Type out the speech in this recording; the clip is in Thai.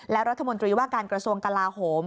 และรัฐมนตรีว่าการกระทรวงกลาโหม